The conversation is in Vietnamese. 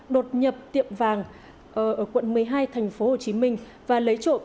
đột nhập tiệm vàng ở quận một mươi hai tp hcm và lấy trộm